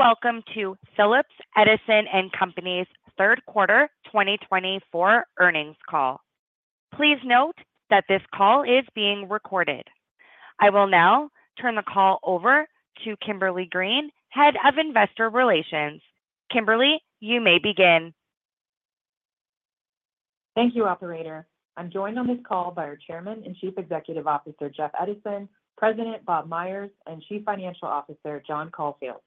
Good day, and welcome to Phillips Edison & Company's Third Quarter 2024 Earnings Call. Please note that this call is being recorded. I will now turn the call over to Kimberly Green, Head of Investor Relations. Kimberly, you may begin. Thank you, operator. I'm joined on this call by our Chairman and Chief Executive Officer, Jeff Edison, President Bob Myers, and Chief Financial Officer John Caulfield.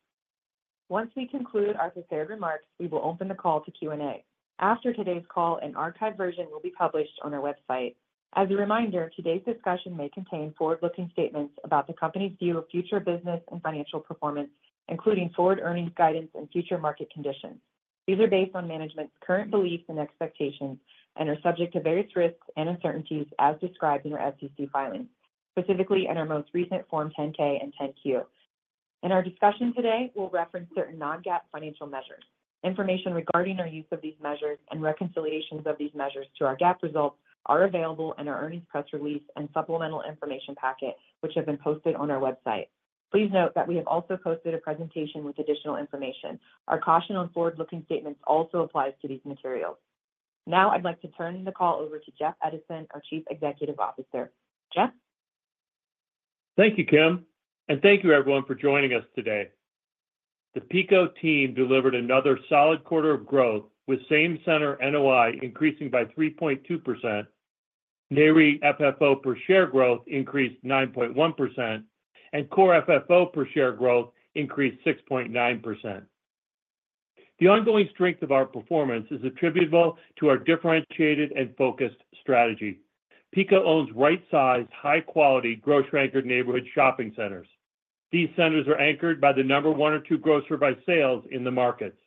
Once we conclude our prepared remarks, we will open the call to Q&A. After today's call, an archived version will be published on our website. As a reminder, today's discussion may contain forward-looking statements about the company's view of future business and financial performance, including forward earnings guidance and future market conditions. These are based on management's current beliefs and expectations and are subject to various risks and uncertainties as described in our SEC filings, specifically in our most recent Form 10-K and 10-Q. In our discussion today, we'll reference certain non-GAAP financial measures. Information regarding our use of these measures and reconciliations of these measures to our GAAP results are available in our earnings press release and supplemental information packet, which have been posted on our website. Please note that we have also posted a presentation with additional information. Our caution on forward-looking statements also applies to these materials. Now, I'd like to turn the call over to Jeff Edison, our Chief Executive Officer. Jeff? Thank you, Kim, and thank you everyone for joining us today. The PECO team delivered another solid quarter of growth, with same-center NOI increasing by 3.2%, NAREIT FFO per share growth increased 9.1%, and core FFO per share growth increased 6.9%. The ongoing strength of our performance is attributable to our differentiated and focused strategy. PECO owns right-sized, high-quality, grocery-anchored neighborhood shopping centers. These centers are anchored by the number one or two grocer by sales in the markets.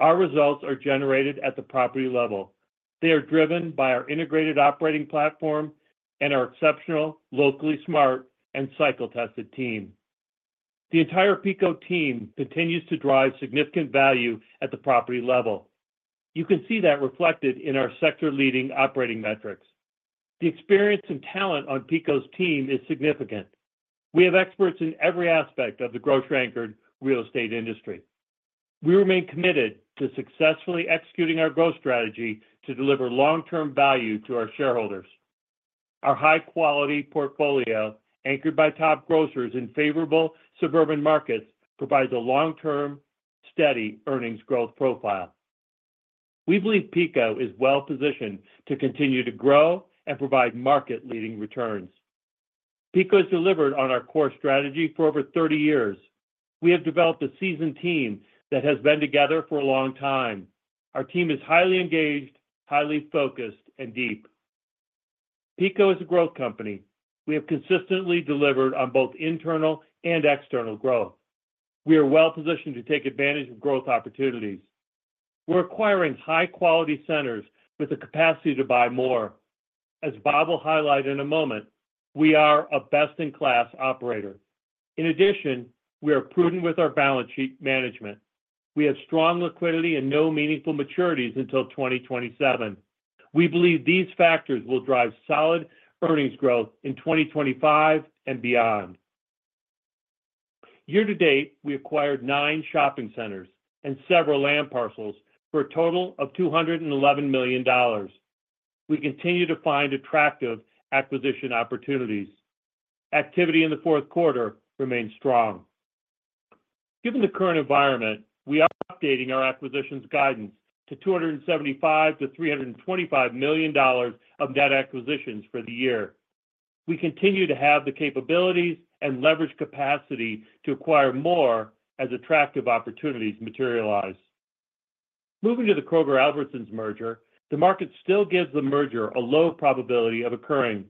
Our results are generated at the property level. They are driven by our integrated operating platform and our exceptional, locally smart, and cycle-tested team. The entire PECO team continues to drive significant value at the property level. You can see that reflected in our sector-leading operating metrics. The experience and talent on PECO's team is significant. We have experts in every aspect of the grocery-anchored real estate industry. We remain committed to successfully executing our growth strategy to deliver long-term value to our shareholders. Our high-quality portfolio, anchored by top grocers in favorable suburban markets, provides a long-term, steady earnings growth profile. We believe PECO is well positioned to continue to grow and provide market-leading returns. PECO has delivered on our core strategy for over thirty years. We have developed a seasoned team that has been together for a long time. Our team is highly engaged, highly focused, and deep. PECO is a growth company. We have consistently delivered on both internal and external growth. We are well positioned to take advantage of growth opportunities. We're acquiring high-quality centers with the capacity to buy more. As Bob will highlight in a moment, we are a best-in-class operator. In addition, we are prudent with our balance sheet management. We have strong liquidity and no meaningful maturities until 2027. We believe these factors will drive solid earnings growth in 2025 and beyond. Year to date, we acquired nine shopping centers and several land parcels for a total of $211 million. We continue to find attractive acquisition opportunities. Activity in the fourth quarter remains strong. Given the current environment, we are updating our acquisitions guidance to $275 million-$325 million of net acquisitions for the year. We continue to have the capabilities and leverage capacity to acquire more as attractive opportunities materialize. Moving to the Kroger-Albertsons merger, the market still gives the merger a low probability of occurring.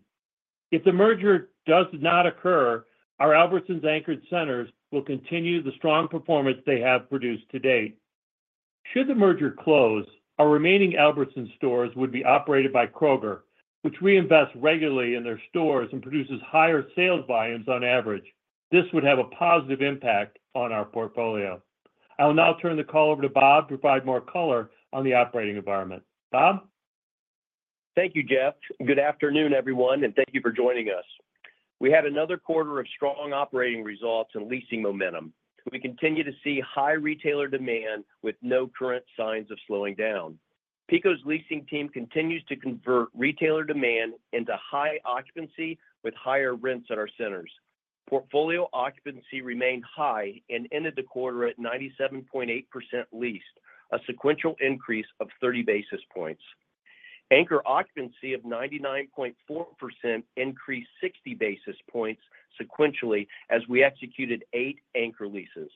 If the merger does not occur, our Albertsons-anchored centers will continue the strong performance they have produced to date. Should the merger close, our remaining Albertsons stores would be operated by Kroger, which reinvest regularly in their stores and produces higher sales volumes on average. This would have a positive impact on our portfolio. I'll now turn the call over to Bob to provide more color on the operating environment. Bob? Thank you, Jeff. Good afternoon, everyone, and thank you for joining us. We had another quarter of strong operating results and leasing momentum. We continue to see high retailer demand with no current signs of slowing down. PECO's leasing team continues to convert retailer demand into high occupancy with higher rents at our centers. Portfolio occupancy remained high and ended the quarter at 97.8% leased, a sequential increase of thirty basis points. Anchor occupancy of 99.4% increased sixty basis points sequentially as we executed eight anchor leases.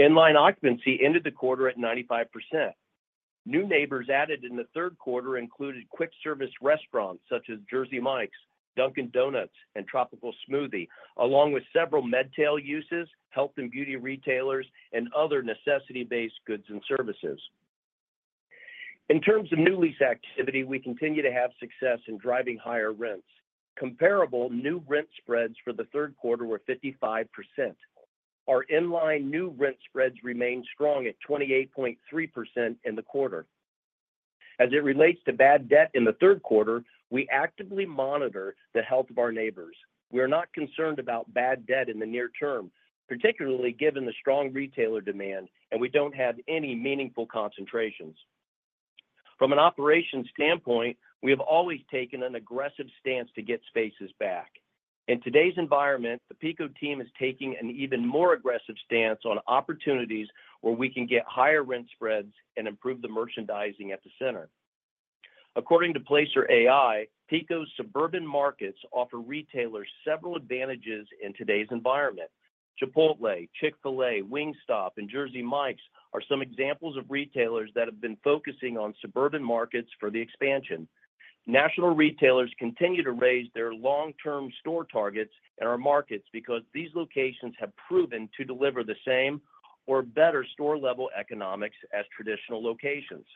Inline occupancy ended the quarter at 95%. New neighbors added in the third quarter included quick service restaurants such as Jersey Mike's, Dunkin' Donuts, and Tropical Smoothie, along with several med-tail uses, health and beauty retailers, and other necessity-based goods and services. In terms of new lease activity, we continue to have success in driving higher rents. Comparable new rent spreads for the third quarter were 55%. Our inline new rent spreads remained strong at 28.3% in the quarter. As it relates to bad debt in the third quarter, we actively monitor the health of our neighbors. We are not concerned about bad debt in the near term, particularly given the strong retailer demand, and we don't have any meaningful concentrations. From an operations standpoint, we have always taken an aggressive stance to get spaces back. In today's environment, the PECO team is taking an even more aggressive stance on opportunities where we can get higher rent spreads and improve the merchandising at the center. According to Placer.ai, PECO's suburban markets offer retailers several advantages in today's environment. Chipotle, Chick-fil-A, Wingstop, and Jersey Mike's are some examples of retailers that have been focusing on suburban markets for the expansion. National retailers continue to raise their long-term store targets in our markets because these locations have proven to deliver the same or better store-level economics as traditional locations.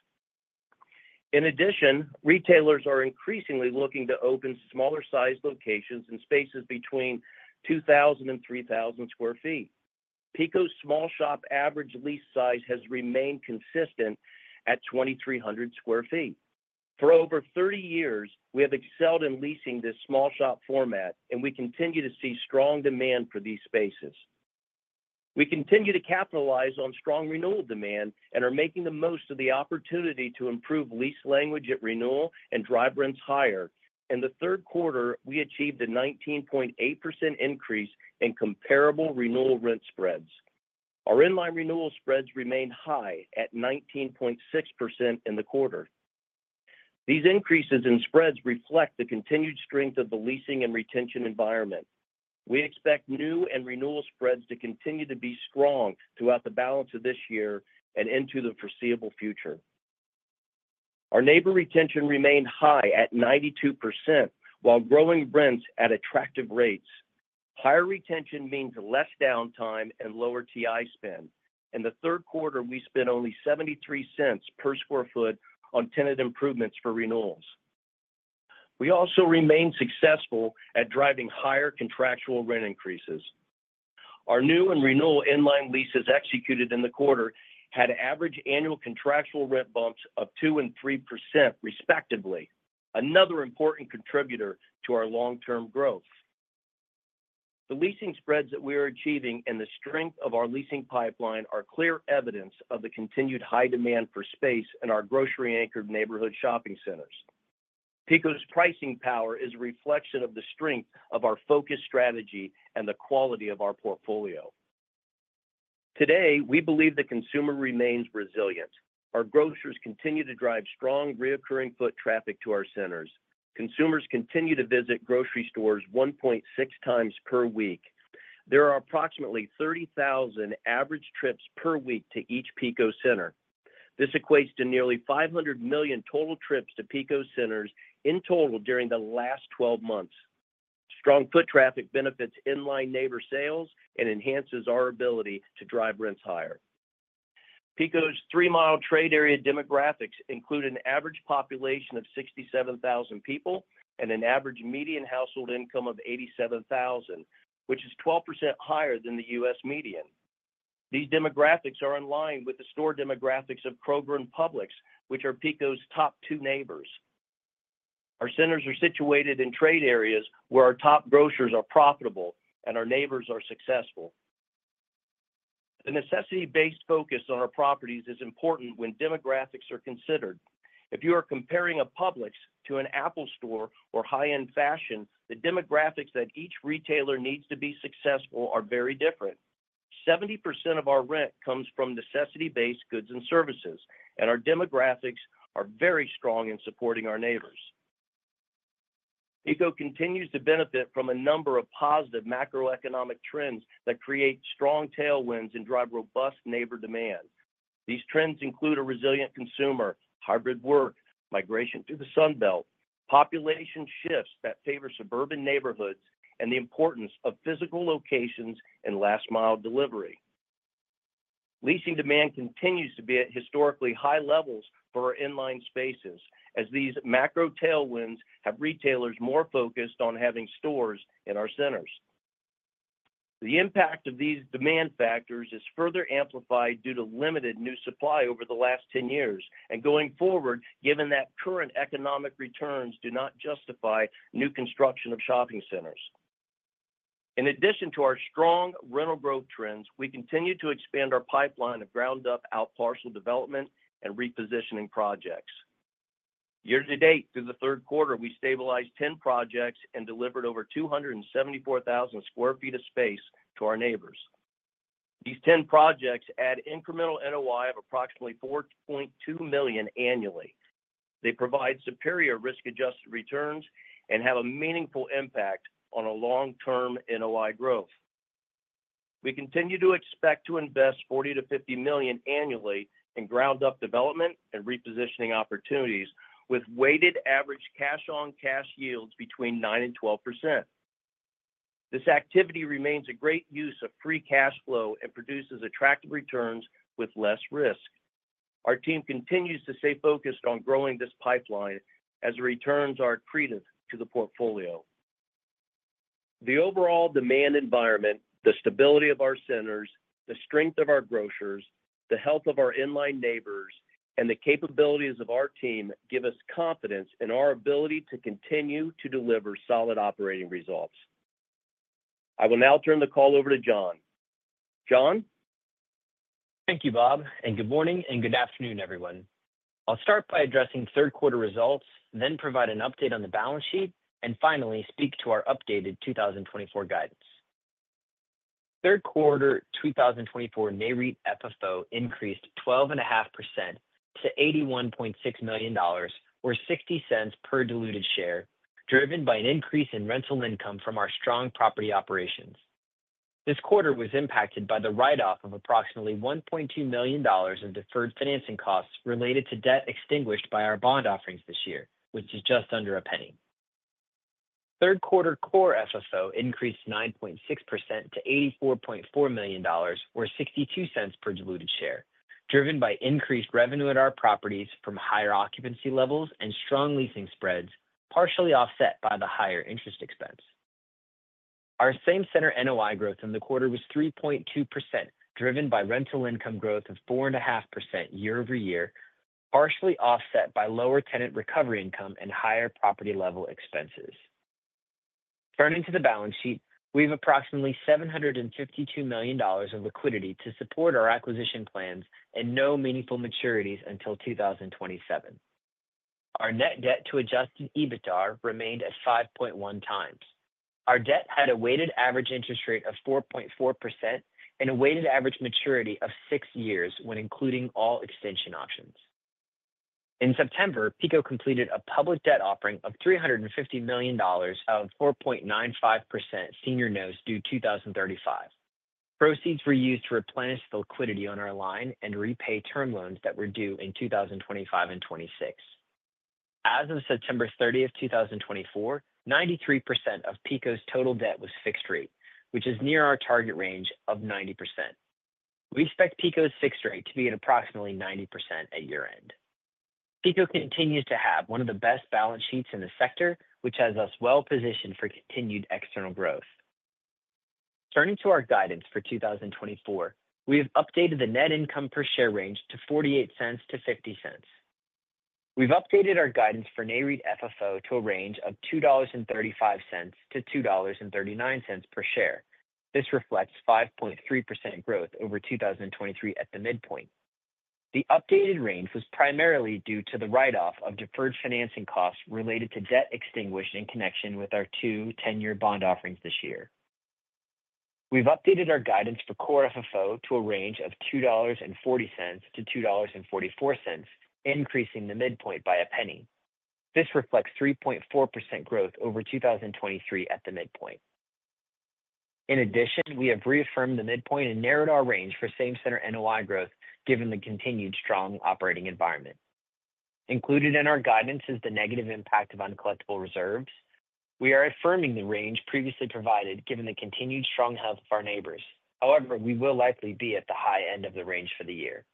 In addition, retailers are increasingly looking to open smaller-sized locations in spaces between 2,000 and 3,000 square feet. PECO's small shop average lease size has remained consistent at 2,300 square feet. For over 30 years, we have excelled in leasing this small shop format, and we continue to see strong demand for these spaces. We continue to capitalize on strong renewal demand and are making the most of the opportunity to improve lease language at renewal and drive rents higher. In the third quarter, we achieved a 19.8% increase in comparable renewal rent spreads. Our inline renewal spreads remained high at 19.6% in the quarter. These increases in spreads reflect the continued strength of the leasing and retention environment. We expect new and renewal spreads to continue to be strong throughout the balance of this year and into the foreseeable future. Our neighbor retention remained high at 92%, while growing rents at attractive rates. Higher retention means less downtime and lower TI spend. In the third quarter, we spent only $0.73 per square feet on tenant improvements for renewals. We also remained successful at driving higher contractual rent increases. Our new and renewal inline leases executed in the quarter had average annual contractual rent bumps of 2% and 3%, respectively, another important contributor to our long-term growth. The leasing spreads that we are achieving and the strength of our leasing pipeline are clear evidence of the continued high demand for space in our grocery-anchored neighborhood shopping centers. PECO's pricing power is a reflection of the strength of our focused strategy and the quality of our portfolio. Today, we believe the consumer remains resilient. Our grocers continue to drive strong, recurring foot traffic to our centers. Consumers continue to visit grocery stores 1.6x per week. There are approximately 30,000 average trips per week to each PECO center. This equates to nearly 500 million total trips to PECO centers in total during the last 12 months. Strong foot traffic benefits inline neighbor sales and enhances our ability to drive rents higher. PECO's three-mile trade area demographics include an average population of 67,000 people and an average median household income of $87,000, which is 12% higher than the U.S. median. These demographics are inline with the store demographics of Kroger and Publix, which are PECO's top two neighbors. Our centers are situated in trade areas where our top grocers are profitable and our neighbors are successful. The necessity-based focus on our properties is important when demographics are considered. If you are comparing a Publix to an Apple store or high-end fashion, the demographics that each retailer needs to be successful are very different. 70% of our rent comes from necessity-based goods and services, and our demographics are very strong in supporting our neighbors. PECO continues to benefit from a number of positive macroeconomic trends that create strong tailwinds and drive robust neighbor demand. These trends include a resilient consumer, hybrid work, migration to the Sun Belt, population shifts that favor suburban neighborhoods, and the importance of physical locations and last-mile delivery. Leasing demand continues to be at historically high levels for our inline spaces, as these macro tailwinds have retailers more focused on having stores in our centers. The impact of these demand factors is further amplified due to limited new supply over the last ten years and going forward, given that current economic returns do not justify new construction of shopping centers. In addition to our strong rental growth trends, we continue to expand our pipeline of ground-up outparcel development and repositioning projects. Year to date, through the third quarter, we stabilized ten projects and delivered over 274,000 square feet of space to our neighbors. These ten projects add incremental NOI of approximately $4.2 million annually. They provide superior risk-adjusted returns and have a meaningful impact on a long-term NOI growth. We continue to expect to invest $40-$50 million annually in ground-up development and repositioning opportunities, with weighted average cash on cash yields between 9% and 12%. This activity remains a great use of free cash flow and produces attractive returns with less risk. Our team continues to stay focused on growing this pipeline as the returns are accretive to the portfolio. ... The overall demand environment, the stability of our centers, the strength of our grocers, the health of our inline neighbors, and the capabilities of our team give us confidence in our ability to continue to deliver solid operating results. I will now turn the call over to John. John? Thank you, Bob, and good morning, and good afternoon, everyone. I'll start by addressing third quarter results, then provide an update on the balance sheet, and finally, speak to our updated 2024 guidance. Third quarter 2024 NAREIT FFO increased 12.5% to $81.6 million, or $0.60 per diluted share, driven by an increase in rental income from our strong property operations. This quarter was impacted by the write-off of approximately $1.2 million in deferred financing costs related to debt extinguished by our bond offerings this year, which is just under $0.01. Third quarter Core FFO increased 9.6% to $84.4 million, or $0.62 per diluted share, driven by increased revenue at our properties from higher occupancy levels and strong leasing spreads, partially offset by the higher interest expense. Our same-center NOI growth in the quarter was 3.2%, driven by rental income growth of 4.5% year over year, partially offset by lower tenant recovery income and higher property-level expenses. Turning to the balance sheet, we have approximately $752 million of liquidity to support our acquisition plans and no meaningful maturities until 2027. Our net debt to adjusted EBITDA remained at 5.1x. Our debt had a weighted average interest rate of 4.4% and a weighted average maturity of 6 years when including all extension options. In September, PECO completed a public debt offering of $350 million of 4.95% senior notes due 2035. Proceeds were used to replenish the liquidity on our line and repay term loans that were due in 2025 and 2026. As of September 30th, 2024, 93% of PECO's total debt was fixed rate, which is near our target range of 90%. We expect PECO's fixed rate to be at approximately 90% at year-end. PECO continues to have one of the best balance sheets in the sector, which has us well positioned for continued external growth. Turning to our guidance for 2024, we have updated the net income per share range to $0.48-$0.50. We've updated our guidance for NAREIT FFO to a range of $2.35-$2.39 per share. This reflects 5.3% growth over 2023 at the midpoint. The updated range was primarily due to the write-off of deferred financing costs related to debt extinguished in connection with our two 10-year bond offerings this year. We've updated our guidance for core FFO to a range of $2.40-$2.44, increasing the midpoint by a penny. This reflects 3.4% growth over 2023 at the midpoint. In addition, we have reaffirmed the midpoint and narrowed our range for same-center NOI growth given the continued strong operating environment. Included in our guidance is the negative impact of uncollectible reserves. We are affirming the range previously provided, given the continued strong health of our neighbors. However, we will likely be at the high end of the range for the year.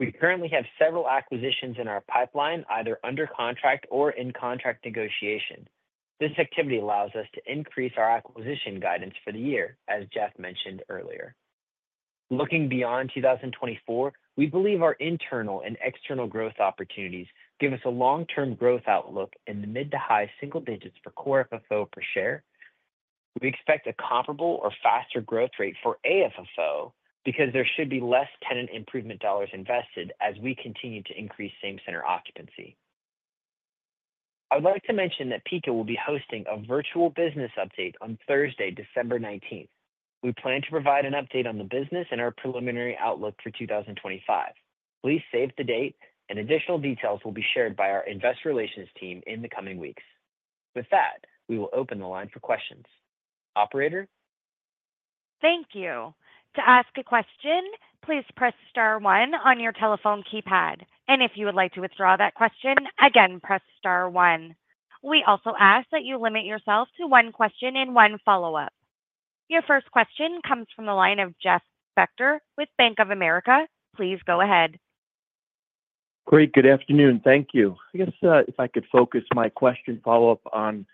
We currently have several acquisitions in our pipeline, either under contract or in contract negotiation. This activity allows us to increase our acquisition guidance for the year, as Jeff mentioned earlier. Looking beyond two thousand and twenty-four, we believe our internal and external growth opportunities give us a long-term growth outlook in the mid to high single digits for Core FFO per share. We expect a comparable or faster growth rate for AFFO because there should be less tenant improvement dollars invested as we continue to increase same-center occupancy. I would like to mention that PECO will be hosting a virtual business update on Thursday, December 19th. We plan to provide an update on the business and our preliminary outlook for 2025. Please save the date, and additional details will be shared by our investor relations team in the coming weeks. With that, we will open the line for questions. Operator? Thank you. To ask a question, please press star one on your telephone keypad, and if you would like to withdraw that question, again, press star one. We also ask that you limit yourself to one question and one follow-up. Your first question comes from the line of Jeff Spector with Bank of America. Please go ahead. Great. Good afternoon. Thank you. I guess, if I could focus my question follow-up on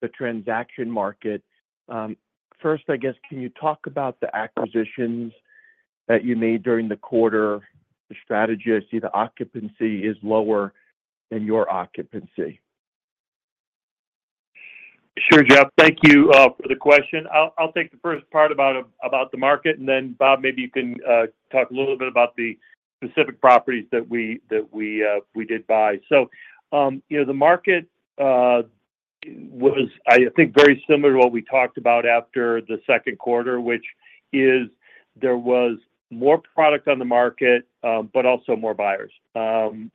the transaction market. First, I guess, can you talk about the acquisitions that you made during the quarter, the strategy? I see the occupancy is lower than your occupancy. Sure, Jeff, thank you for the question. I'll take the first part about the market, and then, Bob, maybe you can talk a little bit about the specific properties that we did buy. So, you know, the market was, I think, very similar to what we talked about after the second quarter, which is there was more product on the market, but also more buyers.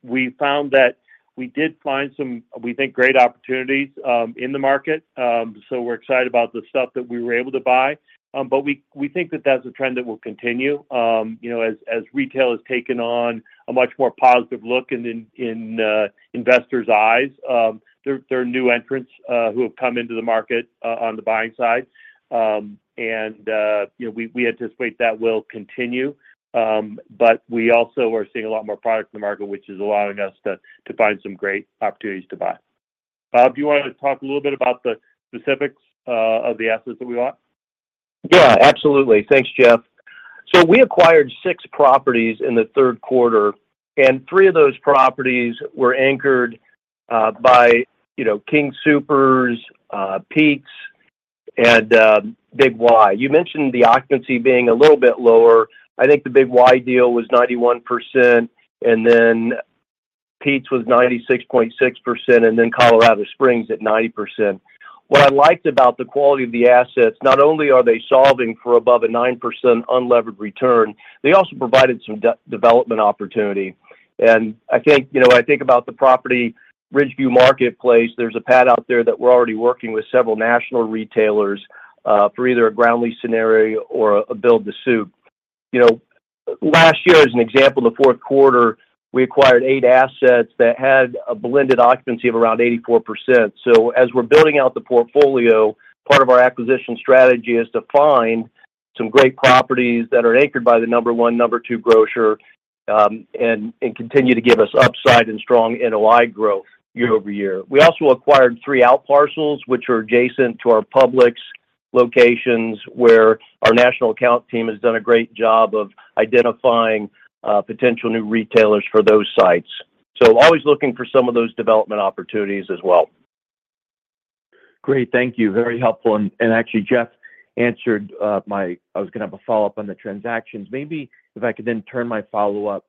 We found that we did find some, we think, great opportunities in the market. So we're excited about the stuff that we were able to buy. But we think that that's a trend that will continue. You know, as retail has taken on a much more positive look in investors' eyes, there are new entrants who have come into the market on the buying side and you know, we anticipate that will continue but we also are seeing a lot more product in the market, which is allowing us to find some great opportunities to buy. Bob, do you want to talk a little bit about the specifics of the assets that we bought? Yeah, absolutely. Thanks, Jeff. So we acquired six properties in the third quarter, and three of those properties were anchored by you know, King Soopers, Pete's, and Big Y. You mentioned the occupancy being a little bit lower. I think the Big Y deal was 91%, and then Pete's was 96.6%, and then Colorado Springs at 90%. What I liked about the quality of the assets, not only are they solving for above a 9% unlevered return, they also provided some re-development opportunity. I think, you know, when I think about the property, Ridgeview Marketplace, there's a pad out there that we're already working with several national retailers for either a ground lease scenario or a build-to-suit. You know, last year, as an example, in the fourth quarter, we acquired eight assets that had a blended occupancy of around 84%. So as we're building out the portfolio, part of our acquisition strategy is to find some great properties that are anchored by the number one, number two grocer, and continue to give us upside and strong NOI growth year over year. We also acquired three outparcels, which are adjacent to our Publix locations, where our national account team has done a great job of identifying potential new retailers for those sites. So always looking for some of those development opportunities as well. Great. Thank you. Very helpful, and actually, Jeff answered, I was gonna have a follow-up on the transactions. Maybe if I could then turn my follow-up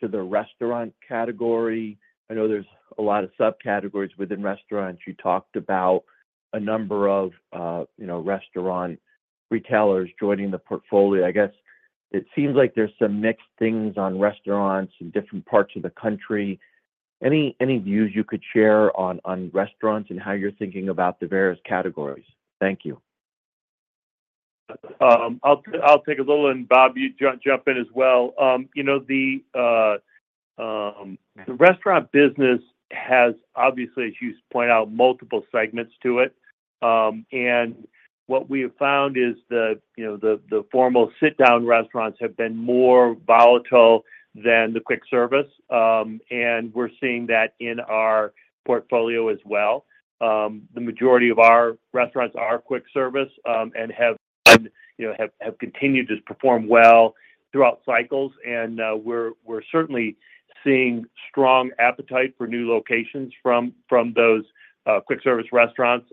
to the restaurant category. I know there's a lot of subcategories within restaurants. You talked about a number of, you know, restaurant retailers joining the portfolio. I guess it seems like there's some mixed things on restaurants in different parts of the country. Any views you could share on restaurants and how you're thinking about the various categories? Thank you. I'll take a little, and Bob, you jump in as well. You know, the restaurant business has, obviously, as you point out, multiple segments to it. And what we have found is, you know, the formal sit-down restaurants have been more volatile than the quick service, and we're seeing that in our portfolio as well. The majority of our restaurants are quick service, and have, you know, continued to perform well throughout cycles. And we're certainly seeing strong appetite for new locations from those quick-service restaurants.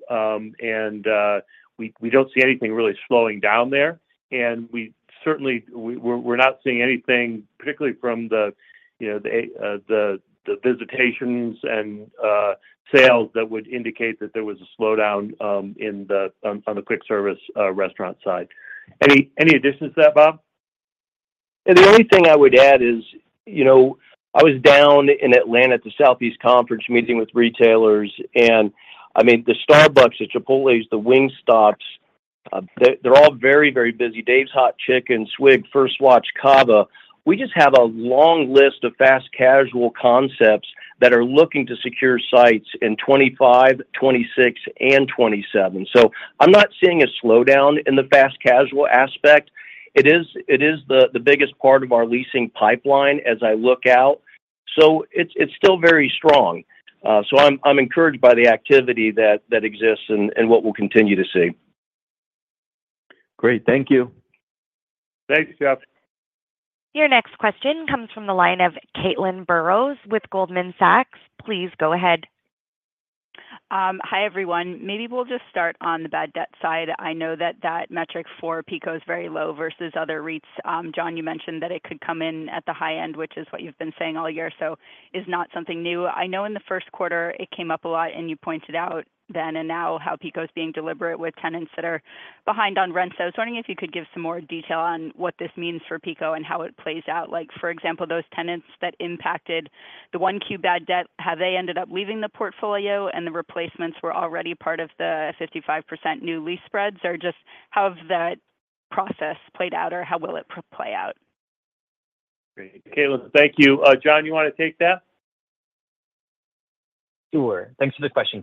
We don't see anything really slowing down there, and we certainly, we're not seeing anything, particularly from the, you know, the visitations and sales that would indicate that there was a slowdown on the quick-service restaurant side. Any additions to that, Bob? The only thing I would add is, you know, I was down in Atlanta at the Southeast Conference meeting with retailers, and, I mean, the Starbucks, the Chipotles, the Wingstops, they're all very, very busy. Dave's Hot Chicken, Swig, First Watch, Cava. We just have a long list of fast casual concepts that are looking to secure sites in 2025, 2026, and 2027. So I'm not seeing a slowdown in the fast casual aspect. It is the biggest part of our leasing pipeline as I look out, so it's still very strong. So I'm encouraged by the activity that exists and what we'll continue to see. Great. Thank you. Thanks, Jeff. Your next question comes from the line of Caitlin Burrows with Goldman Sachs. Please go ahead. Hi, everyone. Maybe we'll just start on the bad debt side. I know that that metric for PECO is very low versus other REITs. John, you mentioned that it could come in at the high end, which is what you've been saying all year, so is not something new. I know in the first quarter, it came up a lot, and you pointed out then and now how PECO is being deliberate with tenants that are behind on rent. So I was wondering if you could give some more detail on what this means for PECO and how it plays out. Like, for example, those tenants that impacted the 1Q bad debt, have they ended up leaving the portfolio and the replacements were already part of the 55% new lease spreads? Or just how have that process played out, or how will it play out? Great. Caitlin, thank you. John, you want to take that? Sure. Thanks for the question,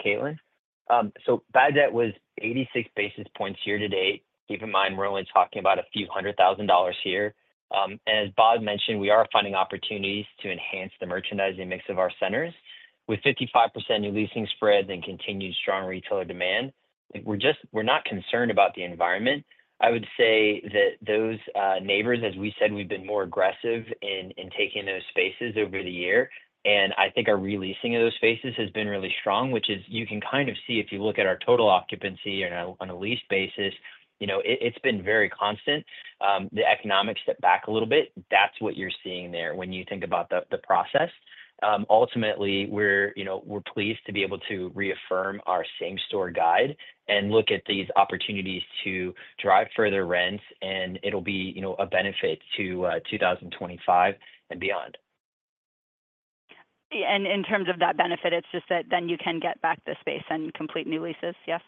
Caitlin. So bad debt was 86 basis points year to date. Keep in mind, we're only talking about a few hundred thousand dollars here. And as Bob mentioned, we are finding opportunities to enhance the merchandising mix of our centers. With 55% new leasing spreads and continued strong retailer demand, we're just not concerned about the environment. I would say that those non-anchors, as we said, we've been more aggressive in taking those spaces over the year, and I think our re-leasing of those spaces has been really strong, which is you can kind of see if you look at our total occupancy on a lease basis, you know, it, it's been very constant. The economics step back a little bit, that's what you're seeing there when you think about the process. Ultimately, you know, we're pleased to be able to reaffirm our same store guide and look at these opportunities to drive further rents, and it'll be, you know, a benefit to 2025 and beyond. In terms of that benefit, it's just that then you can get back the space and complete new leases, yes?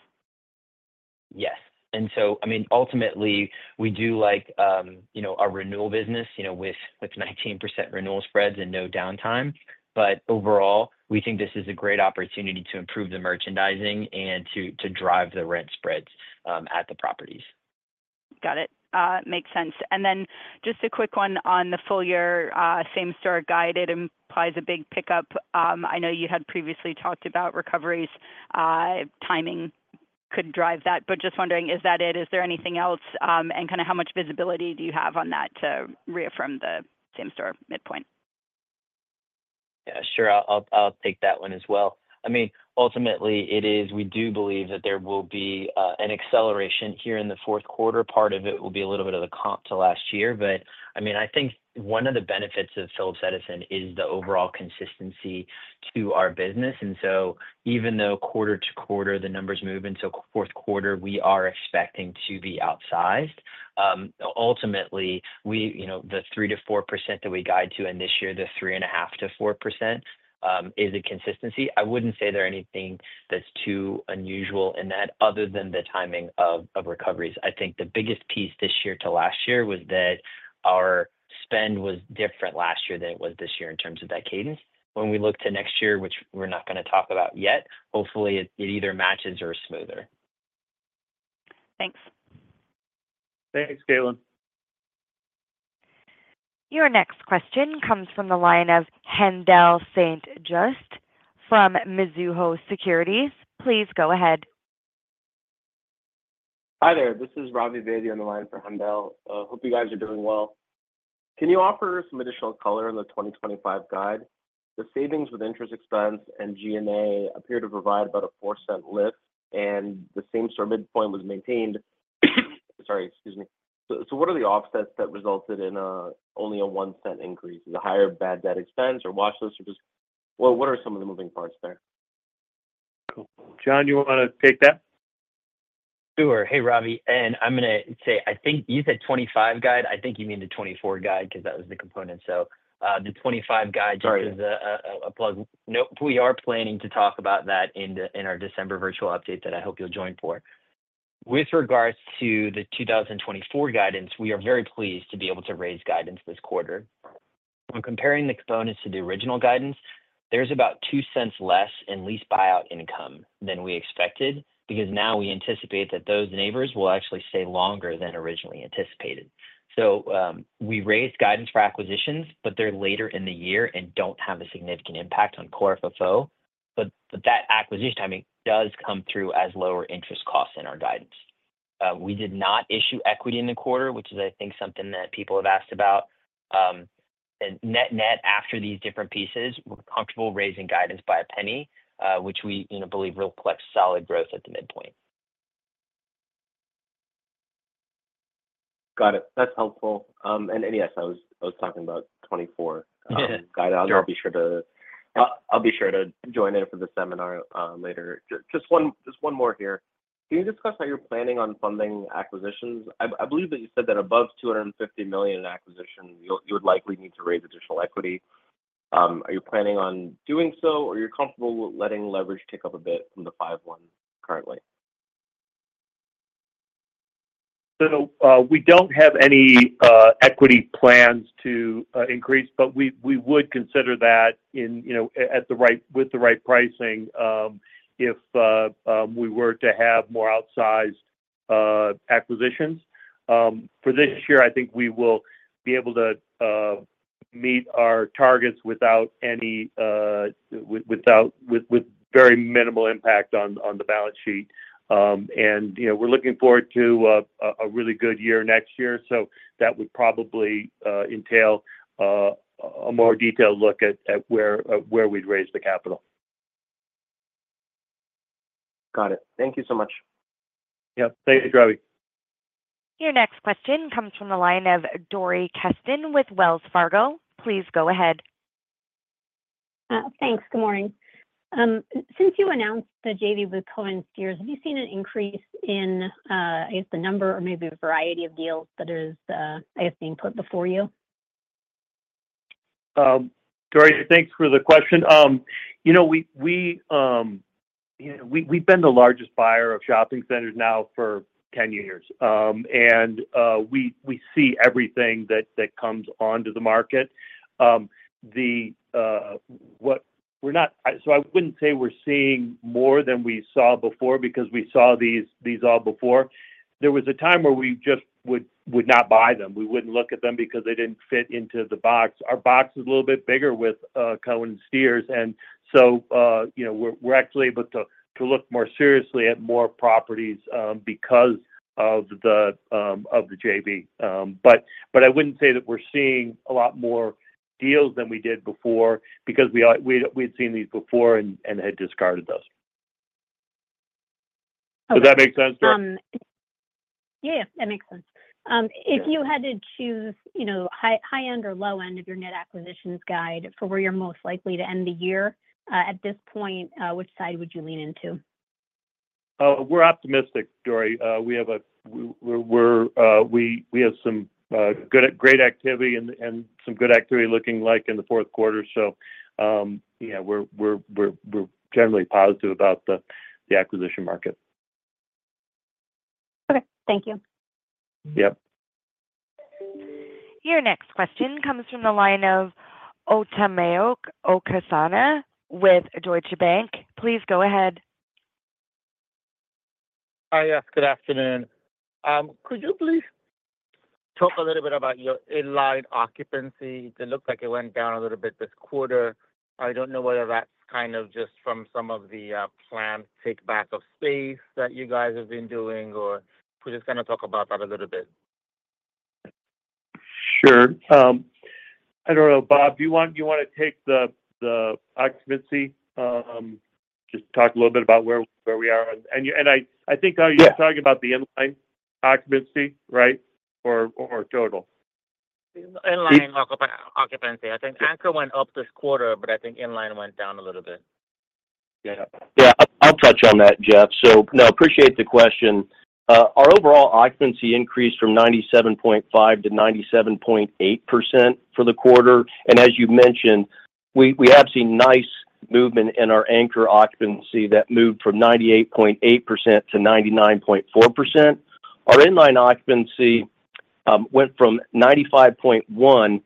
Yes. And so, I mean, ultimately, we do like, you know, our renewal business, you know, with 19% renewal spreads and no downtime. But overall, we think this is a great opportunity to improve the merchandising and to drive the rent spreads at the properties. Got it. Makes sense. And then just a quick one on the full year same store guide, it implies a big pickup. I know you had previously talked about recoveries timing could drive that. But just wondering, is that it? Is there anything else? And kind of how much visibility do you have on that to reaffirm the same store midpoint? Yeah, sure. I'll take that one as well. I mean, ultimately, it is we do believe that there will be an acceleration here in the fourth quarter. Part of it will be a little bit of the comp to last year. But, I mean, I think one of the benefits of Phillips Edison is the overall consistency to our business. And so even though quarter to quarter the numbers move, into fourth quarter, we are expecting to be outsized. Ultimately, we, you know, the 3-4% that we guide to, and this year, the 3.5-4%, is a consistency. I wouldn't say there's anything that's too unusual in that other than the timing of recoveries. I think the biggest piece this year to last year was that our spend was different last year than it was this year in terms of that cadence. When we look to next year, which we're not gonna talk about yet, hopefully, it, it either matches or smoother. Thanks. Thanks, Caitlin. Your next question comes from the line of Haendel St. Juste from Mizuho Securities. Please go ahead. Hi there, this is Ravi Vaidya on the line for Haendel St. Juste. Hope you guys are doing well. Can you offer some additional color on the 2025 guide? The savings with interest expense and G&A appear to provide about a $0.04 lift, and the same store midpoint was maintained. Sorry, excuse me. What are the offsets that resulted in only a $0.01 increase? Is it higher bad debt expense or watch list, or just... Well, what are some of the moving parts there? Cool. John, you want to take that? Sure. Hey, Ravi, and I'm gonna say, I think you said 2025 guide. I think you mean the twenty-four guide, 'cause that was the component. So, the 2025 guide- Sorry. Just as a plug. Nope, we are planning to talk about that in our December virtual update that I hope you'll join for. With regards to the 2024 guidance, we are very pleased to be able to raise guidance this quarter. When comparing the components to the original guidance, there's about $0.02 less in lease buyout income than we expected, because now we anticipate that those neighbors will actually stay longer than originally anticipated. So we raised guidance for acquisitions, but they're later in the year and don't have a significant impact on Core FFO. But that acquisition timing does come through as lower interest costs in our guidance. We did not issue equity in the quarter, which is I think something that people have asked about. And net net, after these different pieces, we're comfortable raising guidance by $0.01, which we, you know, believe will collect solid growth at the midpoint. Got it. That's helpful. And yes, I was talking about 24. Sure. Good. I'll be sure to join in for the seminar later. Just one more here. Can you discuss how you're planning on funding acquisitions? I believe that you said that above $250 million in acquisition, you would likely need to raise additional equity. Are you planning on doing so, or you're comfortable with letting leverage tick up a bit from the 5.1 currently? So, we don't have any equity plans to increase, but we would consider that in, you know, at the right, with the right pricing, if we were to have more outsized acquisitions. For this year, I think we will be able to meet our targets without any, with very minimal impact on the balance sheet. And, you know, we're looking forward to a really good year next year. So that would probably entail a more detailed look at where we'd raise the capital. Got it. Thank you so much. Yep. Thanks, Ravi. Your next question comes from the line of Dori Keston with Wells Fargo. Please go ahead. Thanks. Good morning. Since you announced the JV with Cohen & Steers, have you seen an increase in, I guess, the number or maybe the variety of deals that is being put before you? Dori, thanks for the question. You know, we've been the largest buyer of shopping centers now for 10 years. And we see everything that comes onto the market. We're not. So I wouldn't say we're seeing more than we saw before because we saw these all before. There was a time where we just would not buy them. We wouldn't look at them because they didn't fit into the box. Our box is a little bit bigger with Cohen & Steers, and so you know, we're actually able to look more seriously at more properties because of the JV. But I wouldn't say that we're seeing a lot more deals than we did before because we'd seen these before and had discarded those. Okay. Does that make sense, Dori? Yeah, that makes sense. If you had to choose, you know, high end or low end of your net acquisitions guide for where you're most likely to end the year, at this point, which side would you lean into? We're optimistic, Dori. We have some good, great activity and some good activity looking like in the fourth quarter. We're generally positive about the acquisition market. Okay. Thank you. Yep. Your next question comes from the line of Omotayo Okusanya with Deutsche Bank. Please go ahead. Hi. Yes, good afternoon. Could you please- ... Talk a little bit about your inline occupancy. It looks like it went down a little bit this quarter. I don't know whether that's kind of just from some of the planned take back of space that you guys have been doing, or could you just kind of talk about that a little bit? Sure. I don't know, Bob, do you want, you wanna take the occupancy, just talk a little bit about where we are? And you and I, I think- Yeah You're talking about the inline occupancy, right? Or, or total? Inline occupancy. Yeah. I think anchor went up this quarter, but I think inline went down a little bit. Yeah. Yeah. I'll touch on that, Jeff. So no, appreciate the question. Our overall occupancy increased from 97.5%-97.8% for the quarter. And as you mentioned, we have seen nice movement in our anchor occupancy that moved from 98.8%-99.4%. Our inline occupancy went from 95.1-95.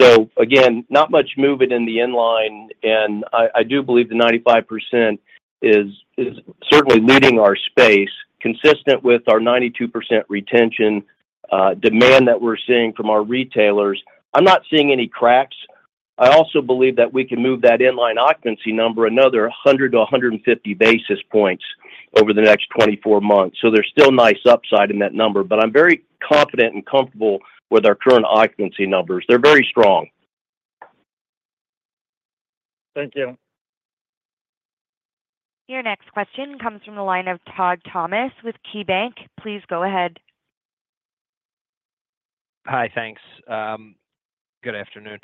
So again, not much movement in the inline, and I do believe the 95% is certainly leading our space, consistent with our 92% retention, demand that we're seeing from our retailers. I'm not seeing any cracks. I also believe that we can move that inline occupancy number another 100-150 basis points over the next 24 months. So there's still nice upside in that number, but I'm very confident and comfortable with our current occupancy numbers. They're very strong. Thank you. Your next question comes from the line of Todd Thomas with KeyBank. Please go ahead. Hi, thanks. Good afternoon.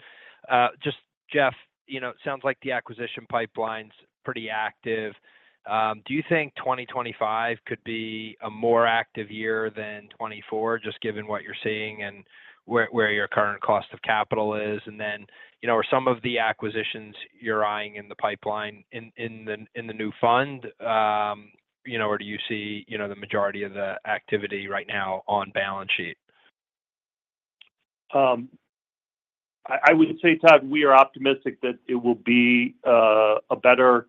Just Jeff, you know, it sounds like the acquisition pipeline's pretty active. Do you think 2025 could be a more active year than 2024, just given what you're seeing and where your current cost of capital is? And then, you know, are some of the acquisitions you're eyeing in the pipeline in the new fund, you know, or do you see, you know, the majority of the activity right now on balance sheet? I would say, Todd, we are optimistic that it will be a better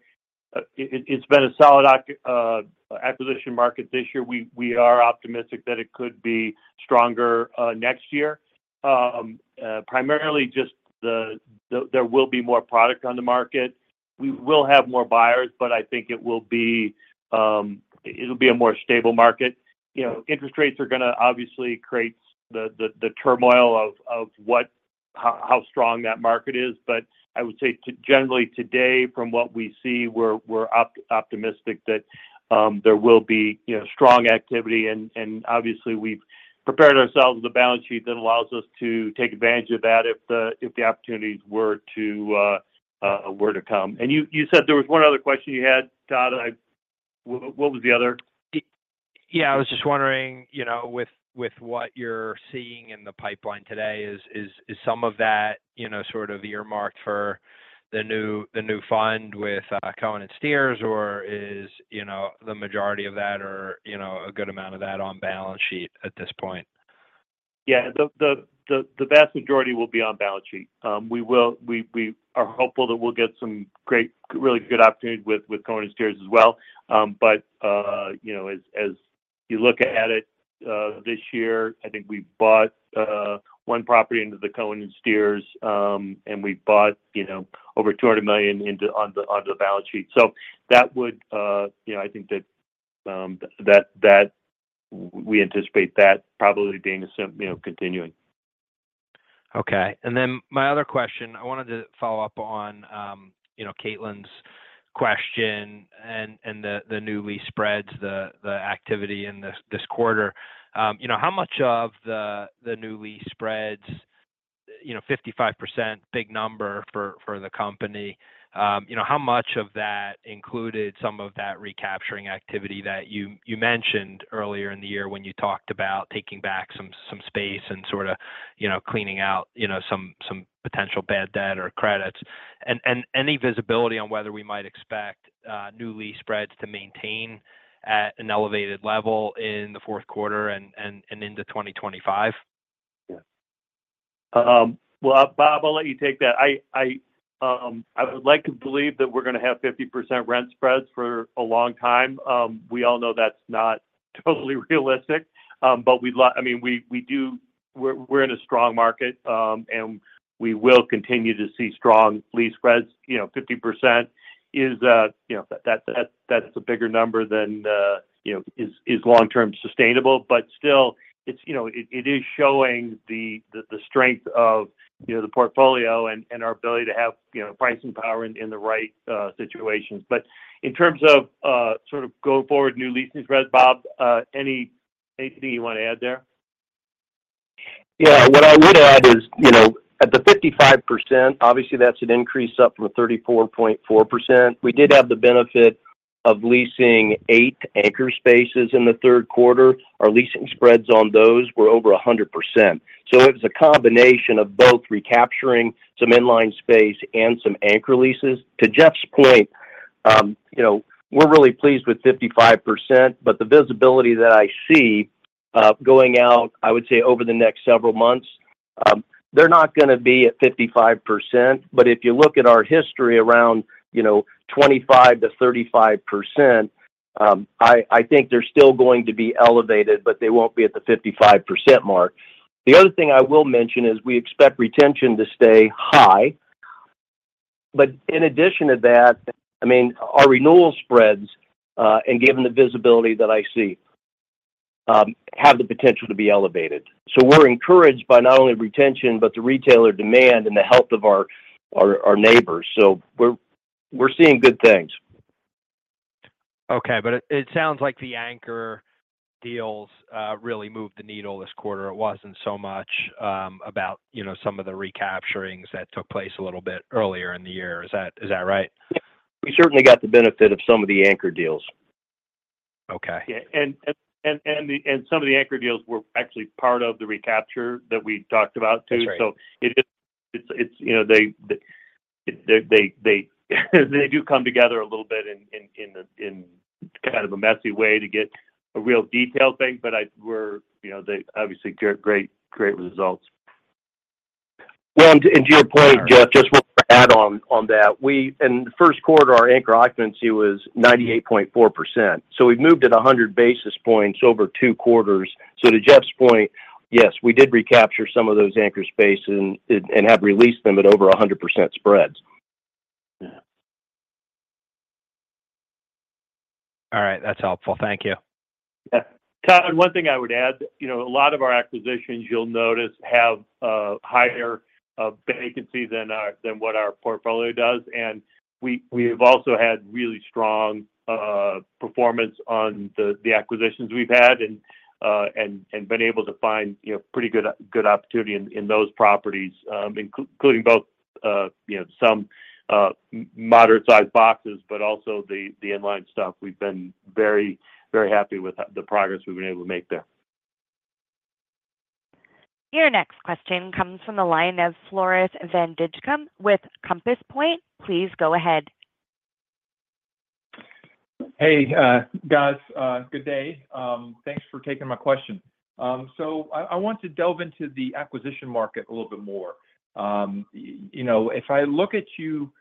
acquisition market this year. We are optimistic that it could be stronger next year. Primarily, just, there will be more product on the market. We will have more buyers, but I think it will be, it'll be a more stable market. You know, interest rates are gonna obviously create the turmoil of how strong that market is. But I would say generally, today, from what we see, we're optimistic that there will be, you know, strong activity. And obviously, we've prepared ourselves with a balance sheet that allows us to take advantage of that if the opportunities were to come. You said there was one other question you had, Todd. What was the other? Yeah, I was just wondering, you know, with what you're seeing in the pipeline today, is some of that, you know, sort of earmarked for the new fund with Cohen & Steers, or is, you know, the majority of that or, you know, a good amount of that on balance sheet at this point? Yeah. The vast majority will be on balance sheet. We are hopeful that we'll get some really good opportunity with Cohen & Steers as well. But you know, as you look at it, this year, I think we bought one property into the Cohen & Steers, and we bought you know, over $200 million on to the balance sheet. So that would you know, I think that we anticipate that probably being the same you know, continuing. Okay. And then my other question, I wanted to follow up on, you know, Caitlin's question, and, and the, the new lease spreads, the, the activity in this, this quarter. You know, how much of the, the new lease spreads, you know, 55%, big number for, for the company. You know, how much of that included some of that recapturing activity that you, you mentioned earlier in the year when you talked about taking back some, some space and sort of, you know, cleaning out, you know, some, some potential bad debt or credits? And, and any visibility on whether we might expect, new lease spreads to maintain at an elevated level in the fourth quarter and, and, and into 2025? Yeah. Well, Bob, I'll let you take that. I would like to believe that we're gonna have 50% rent spreads for a long time. We all know that's not totally realistic, but we'd like, I mean, we're in a strong market, and we will continue to see strong lease spreads. You know, 50% is, you know, that's a bigger number than, you know, is long-term sustainable, but still, it's, you know, it is showing the strength of, you know, the portfolio and our ability to have, you know, pricing power in the right situations. But in terms of sort of go forward new leasing spreads, Bob, anything you want to add there? Yeah. What I would add is, you know, at the 55%, obviously that's an increase up from 34.4%. We did have the benefit of leasing eight anchor spaces in the third quarter. Our leasing spreads on those were over 100%. So it was a combination of both recapturing some inline space and some anchor leases. To Jeff's point, you know, we're really pleased with 55%, but the visibility that I see going out, I would say, over the next several months-... They're not gonna be at 55%, but if you look at our history around, you know, 25%-35%, I think they're still going to be elevated, but they won't be at the 55% mark. The other thing I will mention is we expect retention to stay high. But in addition to that, I mean, our renewal spreads, and given the visibility that I see, have the potential to be elevated. So we're encouraged by not only retention, but the retailer demand and the health of our neighbors. So we're seeing good things. Okay, but it sounds like the anchor deals really moved the needle this quarter. It wasn't so much about, you know, some of the recapturings that took place a little bit earlier in the year. Is that right? We certainly got the benefit of some of the anchor deals. Okay. Yeah, and some of the anchor deals were actually part of the recapture that we talked about, too. That's right. So it is. It's, you know, they do come together a little bit in kind of a messy way to get a real detailed thing, but we're, you know, they're obviously great, great results. Well, and to your point, Jeff, just want to add on that. We in the first quarter, our anchor occupancy was 98.4%, so we've moved it 100 basis points over two quarters. So to Jeff's point, yes, we did recapture some of those anchor spaces and have released them at over 100% spreads. Yeah. All right. That's helpful. Thank you. Yeah. Todd, one thing I would add, you know, a lot of our acquisitions, you'll notice, have higher vacancy than what our portfolio does, and we, we've also had really strong performance on the acquisitions we've had and been able to find, you know, pretty good opportunity in those properties, including both, you know, some moderate-sized boxes, but also the inline stuff. We've been very, very happy with the progress we've been able to make there. Your next question comes from the line of Floris Van Dijkum with Compass Point. Please go ahead. Hey, guys, good day. Thanks for taking my question. So I want to delve into the acquisition market a little bit more. You know, if I look at you,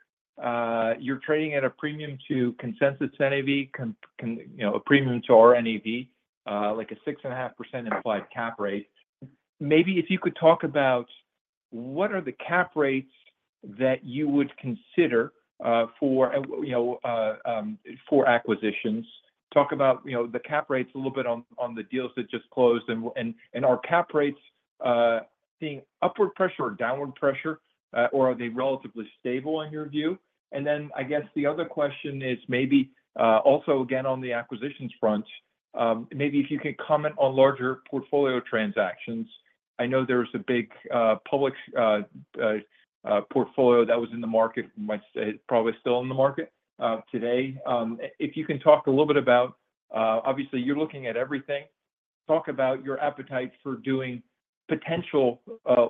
you're trading at a premium to consensus NAV. You know, a premium to our NAV, like a 6.5% implied cap rate. Maybe if you could talk about what are the cap rates that you would consider for acquisitions? Talk about, you know, the cap rates a little bit on the deals that just closed. And are cap rates seeing upward pressure or downward pressure, or are they relatively stable in your view? And then I guess the other question is maybe, also again, on the acquisitions front, maybe if you could comment on larger portfolio transactions. I know there was a big, public, portfolio that was in the market, which is probably still in the market, today. If you can talk a little bit about, obviously, you're looking at everything. Talk about your appetite for doing potential,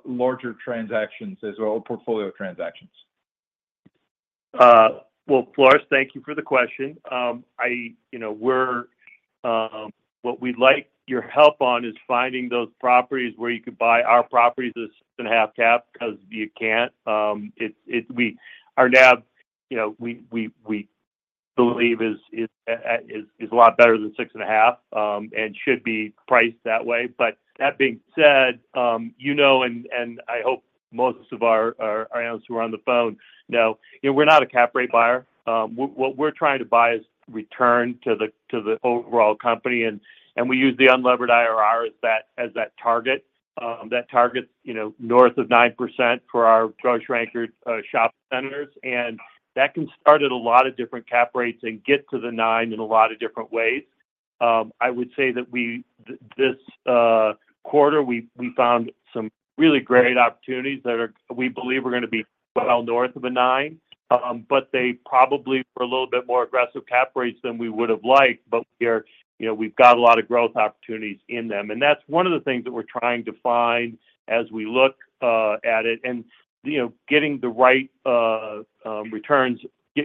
larger transactions as well, or portfolio transactions. Floris, thank you for the question. I, you know, we're what we'd like your help on is finding those properties where you could buy our properties at six and a half cap, 'cause you can't. It's our nav, you know, we believe is a lot better than six and a half, and should be priced that way. But that being said, you know, and I hope most of our analysts who are on the phone know, you know, we're not a cap rate buyer. What we're trying to buy is return to the overall company, and we use the unlevered IRR as that target. That target, you know, north of 9% for our grocery-anchored shopping centers, and that can start at a lot of different cap rates and get to the 9% in a lot of different ways. I would say that this quarter, we found some really great opportunities that we believe are gonna be well north of a 9%. But they probably were a little bit more aggressive cap rates than we would have liked, but we're, you know, we've got a lot of growth opportunities in them, and that's one of the things that we're trying to find as we look at it. And, you know, getting the right returns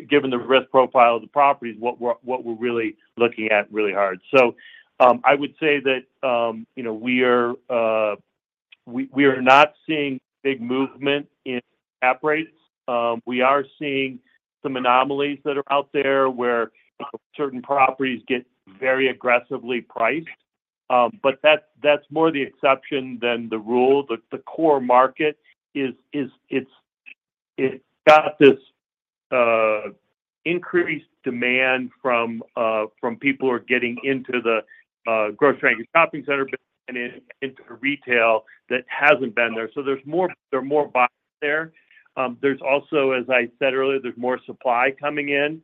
given the risk profile of the properties, what we're really looking at really hard. I would say that, you know, we are not seeing big movement in cap rates. We are seeing some anomalies that are out there, where certain properties get very aggressively priced, but that's more the exception than the rule. The core market is. It's got this increased demand from people who are getting into the grocery shopping center and into retail that hasn't been there, so there are more buyers there. There's also, as I said earlier, there's more supply coming in,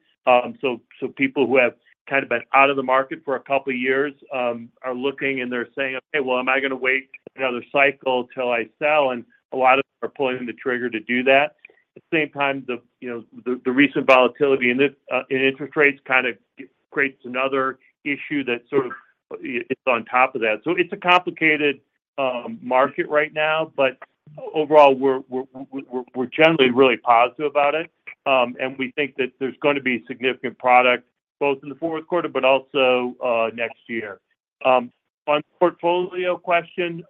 so people who have kind of been out of the market for a couple of years are looking, and they're saying, "Okay, well, am I gonna wait another cycle till I sell?" And a lot of them are pulling the trigger to do that. At the same time, you know, the recent volatility in this in interest rates kind of creates another issue that sort of is on top of that. So it's a complicated market right now, but overall, we're generally really positive about it. And we think that there's gonna be significant product both in the fourth quarter, but also next year. On the portfolio question,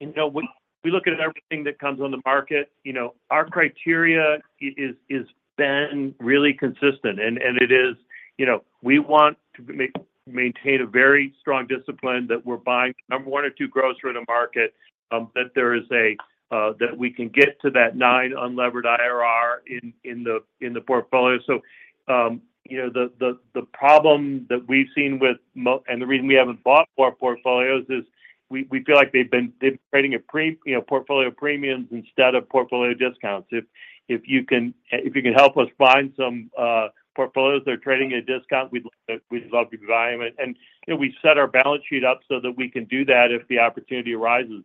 you know, we look at everything that comes on the market. You know, our criteria is been really consistent, and it is, you know, we want to maintain a very strong discipline that we're buying number one or two grocer in the market, that there is a that we can get to that nine unlevered IRR in the portfolio. The problem that we've seen with more and the reason we haven't bought more portfolios is we feel like they've been trading at portfolio premiums instead of portfolio discounts. If you can help us find some portfolios that are trading at a discount, we'd love to buy them. You know, we set our balance sheet up so that we can do that if the opportunity arises.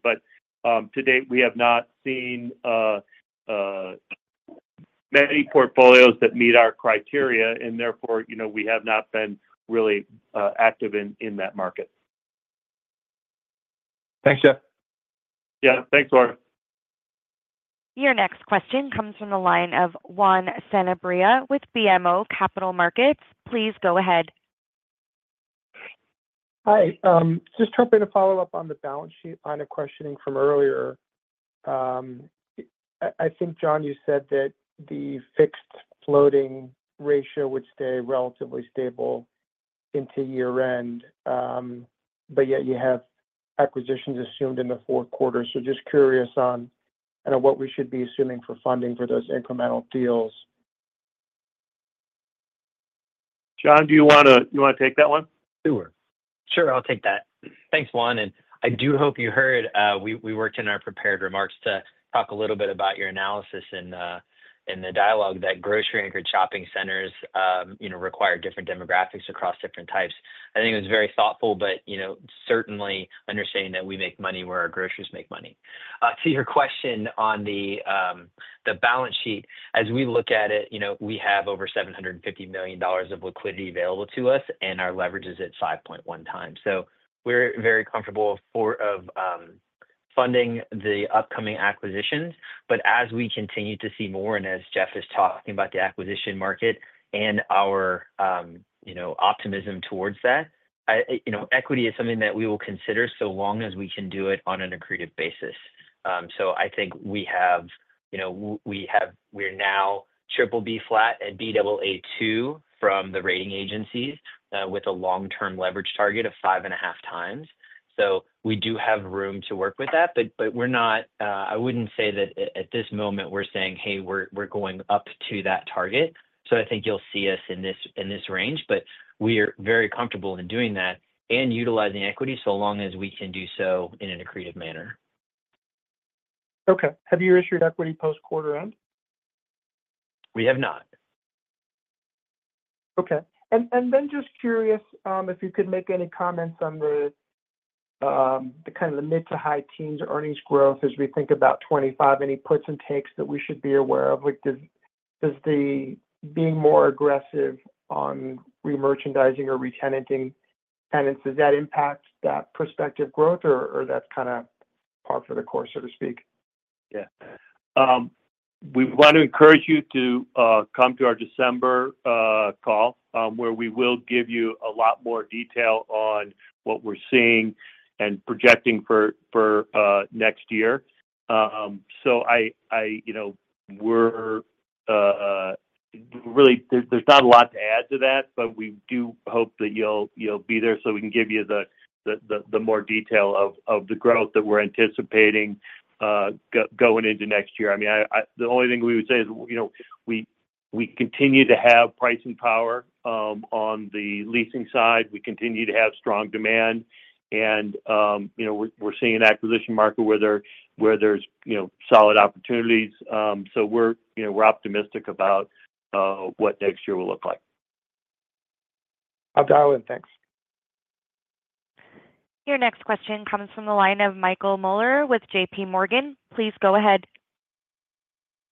To date, we have not seen many portfolios that meet our criteria, and therefore, you know, we have not been really active in that market. Thanks, Jeff. Yeah, thanks, Floris. Your next question comes from the line of Juan Sanabria with BMO Capital Markets. Please go ahead. Hi. Just hoping to follow up on the balance sheet line of questioning from earlier. I think, John, you said that the fixed floating ratio would stay relatively stable into year-end, but yet you have acquisitions assumed in the fourth quarter. So just curious on kind of what we should be assuming for funding for those incremental deals. John, do you want to take that one? Sure. Sure, I'll take that. Thanks, Juan, and I do hope you heard, we worked in our prepared remarks to talk a little bit about your analysis in, in the dialogue, that grocery-anchored shopping centers, you know, require different demographics across different types. I think it was very thoughtful, but, you know, certainly understanding that we make money where our grocers make money. To your question on the, the balance sheet, as we look at it, you know, we have over $750 million of liquidity available to us, and our leverage is at 5.1x. So we're very comfortable for funding the upcoming acquisitions. But as we continue to see more, and as Jeff is talking about the acquisition market and our, you know, optimism towards that, I, you know, equity is something that we will consider, so long as we can do it on an accretive basis. So I think we have, you know, we're now BBB flat and Baa2 from the rating agencies, with a long-term leverage target of five and a half times. So we do have room to work with that, but we're not... I wouldn't say that at this moment, we're saying, "Hey, we're going up to that target." So I think you'll see us in this range, but we are very comfortable in doing that and utilizing equity, so long as we can do so in an accretive manner. Okay. Have you issued equity post-quarter end? We have not. Okay. And then just curious, if you could make any comments on the kind of the mid to high teens earnings growth as we think about 2025. Any puts and takes that we should be aware of? Like, does the being more aggressive on remerchandising or retenanting tenants impact that prospective growth, or that's kind of par for the course, so to speak? Yeah. We want to encourage you to come to our December call, where we will give you a lot more detail on what we're seeing and projecting for next year. So, you know, there's not a lot to add to that, but we do hope that you'll be there, so we can give you the more detail of the growth that we're anticipating going into next year. I mean, I... The only thing we would say is, you know, we continue to have pricing power. On the leasing side, we continue to have strong demand, and, you know, we're seeing an acquisition market where there's solid opportunities. So we're, you know, we're optimistic about what next year will look like. I'll dial in. Thanks. Your next question comes from the line of Michael Mueller with JPMorgan. Please go ahead.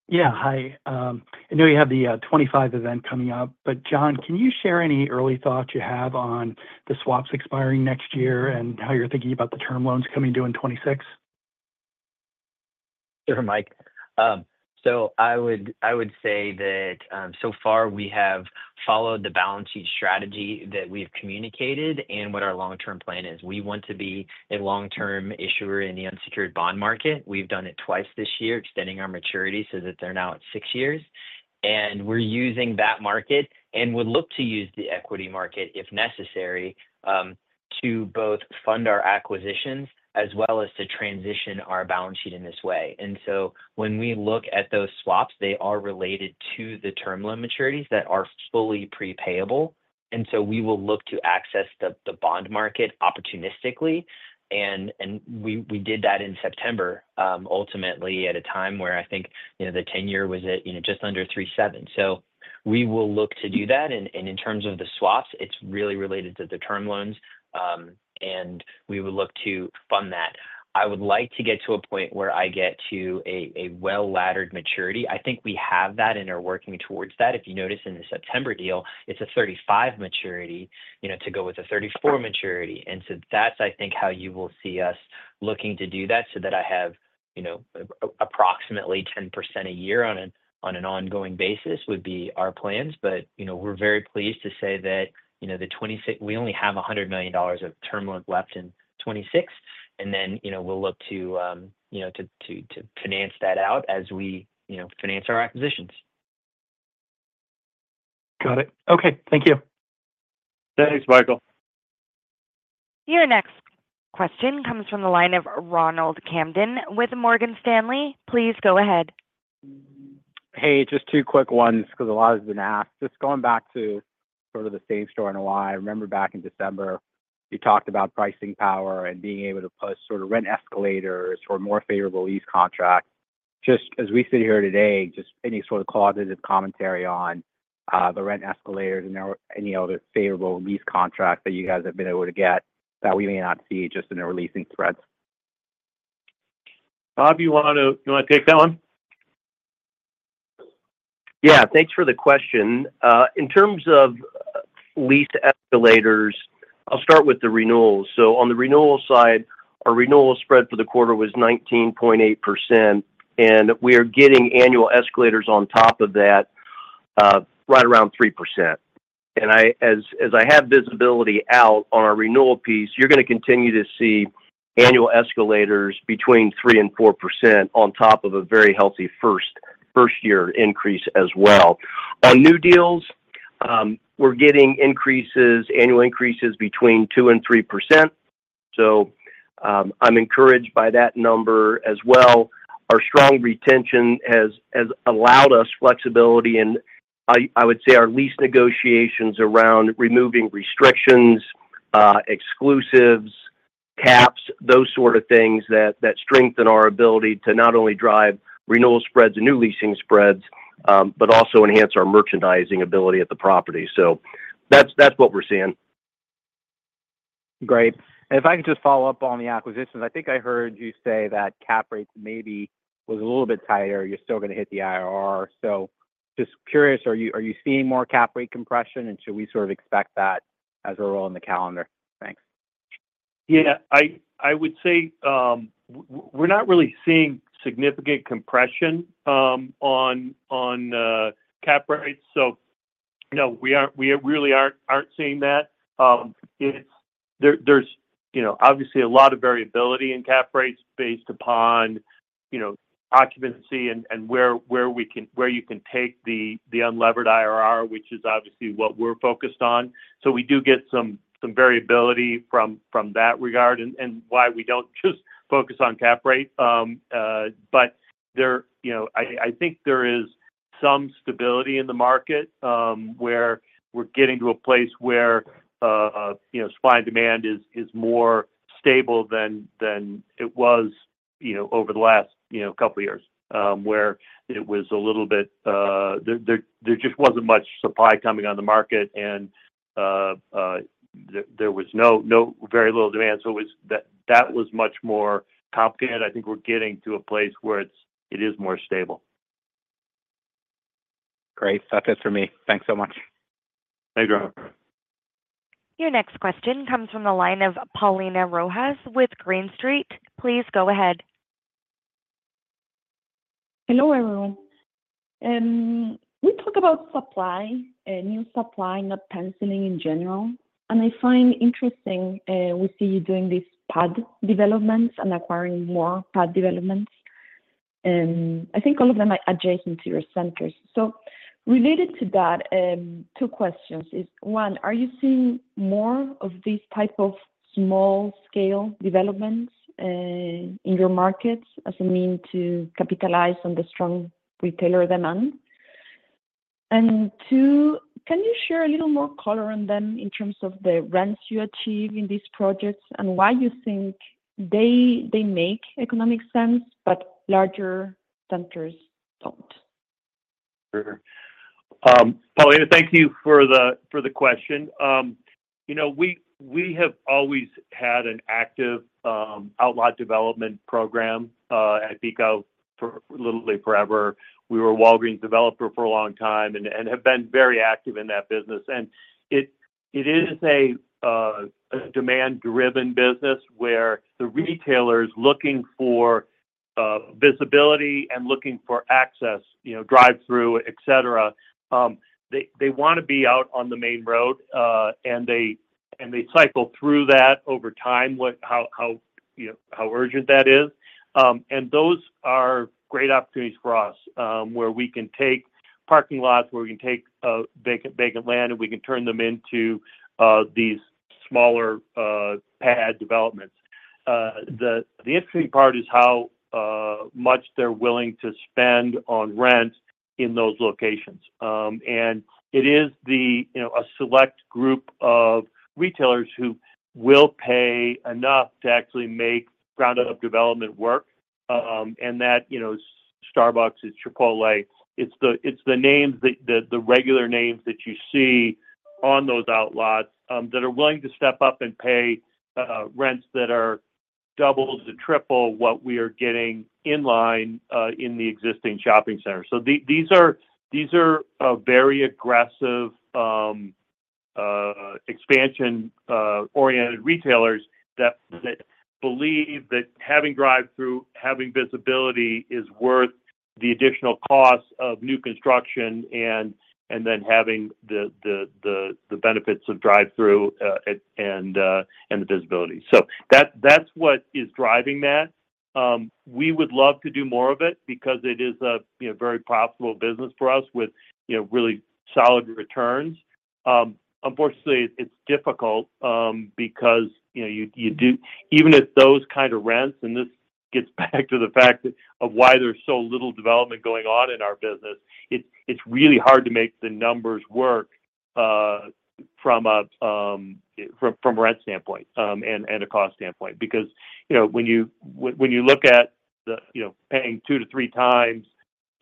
Yeah. Hi. I know you have the 2025 event coming up, but John, can you share any early thoughts you have on the swaps expiring next year and how you're thinking about the term loans coming due in 2026? Sure, Mike. So I would say that so far, we have followed the balance sheet strategy that we've communicated and what our long-term plan is. We want to be a long-term issuer in the unsecured bond market. We've done it twice this year, extending our maturity so that they're now at six years. And we're using that market and would look to use the equity market, if necessary, to both fund our acquisitions, as well as to transition our balance sheet in this way. And so when we look at those swaps, they are related to the term loan maturities that are fully prepayable, and so we will look to access the bond market opportunistically. And we did that in September, ultimately, at a time where I think, you know, the ten-year was at, you know, just under three-seven. So we will look to do that. And in terms of the swaps, it's really related to the term loans, and we will look to fund that. I would like to get to a point where I get to a well-laddered maturity. I think we have that and are working towards that. If you notice in the September deal, it's a 35 maturity, you know, to go with a 34 maturity. And so that's, I think, how you will see us looking to do that, so that I have-... you know, approximately 10% a year on an ongoing basis would be our plans. But, you know, we're very pleased to say that, you know, we only have $100 million of term loan left in 2026, and then, you know, we'll look to, you know, to finance that out as we, you know, finance our acquisitions. Got it. Okay. Thank you. Thanks, Michael. Your next question comes from the line of Ronald Kamdem with Morgan Stanley. Please go ahead. Hey, just two quick ones, 'cause a lot has been asked. Just going back to sort of the same store and ROI, I remember back in December, you talked about pricing power and being able to put sort of rent escalators for more favorable lease contracts. Just as we sit here today, just any sort of qualitative commentary on the rent escalators and any other favorable lease contracts that you guys have been able to get, that we may not see just in the leasing spreads? Bob, you wanna take that one? Yeah. Thanks for the question. In terms of lease escalators, I'll start with the renewals. So on the renewal side, our renewal spread for the quarter was 19.8%, and we are getting annual escalators on top of that right around 3%. And as I have visibility out on our renewal piece, you're gonna continue to see annual escalators between 3% and 4% on top of a very healthy first-year increase as well. On new deals, we're getting increases, annual increases between 2% and 3%. So, I'm encouraged by that number as well. Our strong retention has allowed us flexibility, and I would say our lease negotiations around removing restrictions, exclusives, caps, those sort of things, that strengthen our ability to not only drive renewal spreads and new leasing spreads, but also enhance our merchandising ability at the property. So that's what we're seeing. Great. And if I could just follow up on the acquisitions. I think I heard you say that cap rates maybe was a little bit tighter, you're still gonna hit the IRR. So just curious, are you, are you seeing more cap rate compression? And should we sort of expect that as we're all in the calendar? Thanks. Yeah, I would say we're not really seeing significant compression on cap rates. So no, we aren't. We really aren't seeing that. There's, you know, obviously a lot of variability in cap rates based upon, you know, occupancy and where you can take the unlevered IRR, which is obviously what we're focused on. So we do get some variability from that regard, and why we don't just focus on cap rate. But you know, I think there is some stability in the market, where we're getting to a place where, you know, supply and demand is more stable than it was, you know, over the last, you know, couple of years. Where it was a little bit. There just wasn't much supply coming on the market, and there was very little demand. So it was that was much more complicated. I think we're getting to a place where it is more stable. Great. That's it for me. Thanks so much. Thank you. Your next question comes from the line of Paulina Rojas with Green Street. Please go ahead. Hello, everyone. We talk about supply, new supply, not penciling in general. And I find interesting, we see you doing these pad developments and acquiring more pad developments. And I think all of them are adjacent to your centers. So related to that, two questions is, one, are you seeing more of these type of small-scale developments, in your markets as a mean to capitalize on the strong retailer demand? And two, can you share a little more color on them in terms of the rents you achieve in these projects, and why you think they, they make economic sense, but larger centers don't? Sure. Paulina, thank you for the question. You know, we have always had an active outlot development program at PECO for literally forever. We were a Walgreens developer for a long time and have been very active in that business. It is a demand-driven business where the retailer is looking for visibility and looking for access, you know, drive-through, et cetera. They want to be out on the main road and they cycle through that over time, you know, how urgent that is. And those are great opportunities for us, where we can take parking lots, where we can take vacant land, and we can turn them into these smaller pad developments. The interesting part is how much they're willing to spend on rent in those locations, and it is, you know, a select group of retailers who will pay enough to actually make ground-up development work, and that, you know, Starbucks, it's Chipotle, it's the names, the regular names that you see on those outlots that are willing to step up and pay rents that are double to triple what we are getting in line in the existing shopping center. These are very aggressive expansion-oriented retailers that believe that having drive-through, having visibility is worth the additional cost of new construction, and then having the benefits of drive-through and the visibility. That's what is driving that. We would love to do more of it because it is a, you know, very profitable business for us with, you know, really solid returns. Unfortunately, it's difficult, because, you know, you do even if those kind of rents, and this gets back to the fact that of why there's so little development going on in our business, it's, it's really hard to make the numbers work, from a rent standpoint, and a cost standpoint. Because, you know, when you look at the, you know, paying two to three times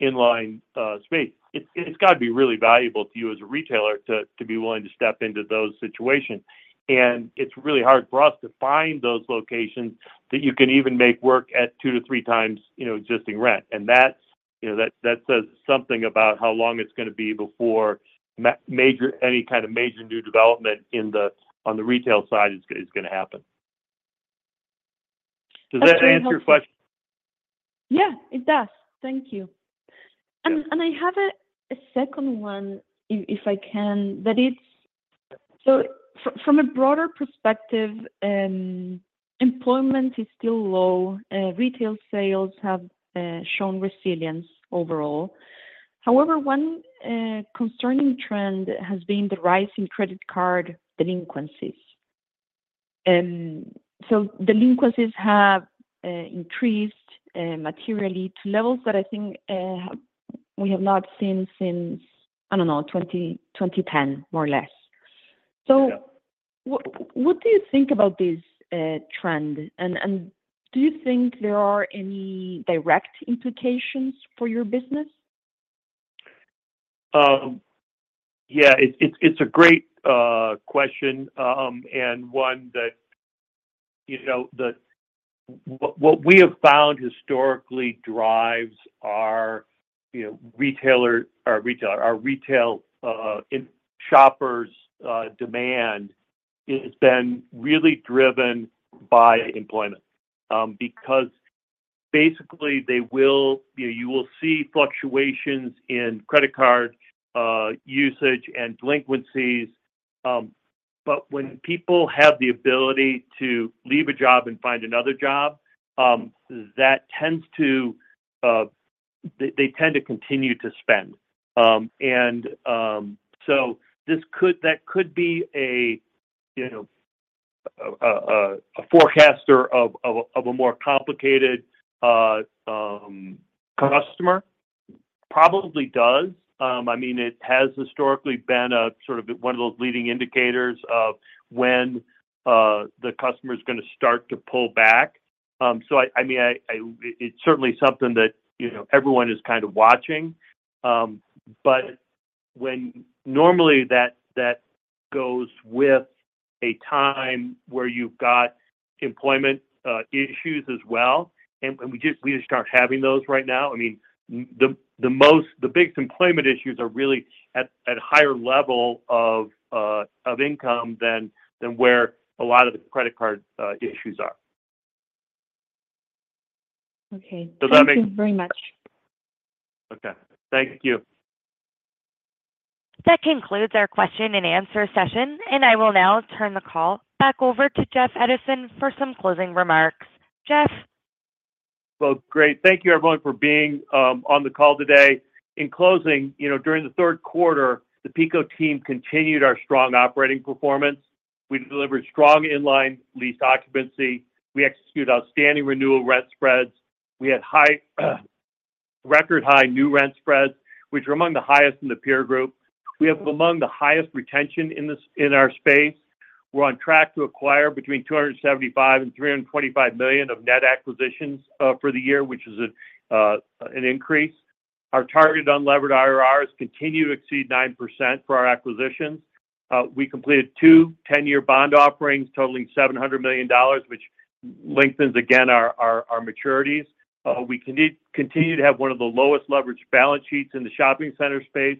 inline space, it's, it's got to be really valuable to you as a retailer to, to be willing to step into those situations. It's really hard for us to find those locations that you can even make work at two to three times, you know, existing rent. That's, you know, that says something about how long it's gonna be before any kind of major new development in the, on the retail side is gonna happen. Does that answer your question? Yeah, it does. Thank you. Yeah. I have a second one, if I can, but it's from a broader perspective. Employment is still low. Retail sales have shown resilience overall. However, one concerning trend has been the rise in credit card delinquencies. Delinquencies have increased materially to levels that I think we have not seen since, I don't know, twenty ten, more or less. Yeah. What do you think about this trend? And do you think there are any direct implications for your business? Yeah, it's a great question, and one that, you know, what we have found historically drives our, you know, retailer or retail our retail in shoppers demand, has been really driven by employment. Because basically, they will, you know, you will see fluctuations in credit card usage and delinquencies, but when people have the ability to leave a job and find another job, that tends to they tend to continue to spend. That could be a, you know, a forecaster of a more complicated customer. Probably does. I mean, it has historically been a sort of one of those leading indicators of when the customer is gonna start to pull back. I mean, it's certainly something that, you know, everyone is kind of watching. Normally, that goes with a time where you've got employment issues as well, and we just start having those right now. I mean, the big employment issues are really at higher level of income than where a lot of the credit card issues are. Okay. Does that make- Thank you very much. Okay. Thank you. That concludes our question and answer session, and I will now turn the call back over to Jeff Edison for some closing remarks. Jeff? Great. Thank you, everyone, for being on the call today. In closing, you know, during the third quarter, the PECO team continued our strong operating performance. We delivered strong inline lease occupancy. We executed outstanding renewal rent spreads. We had high, record high new rent spreads, which were among the highest in the peer group. We have among the highest retention in our space. We're on track to acquire between $275 million and $325 million of net acquisitions for the year, which is an increase. Our targeted unlevered IRRs continue to exceed 9% for our acquisitions. We completed two 10-year bond offerings, totaling $700 million, which lengthens again our maturities. We continue to have one of the lowest leverage balance sheets in the shopping center space,